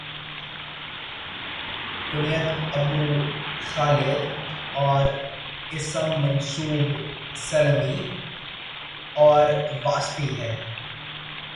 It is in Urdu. کنیت ابو خالد اور اسم منسوب سلمی اور واسطی ہے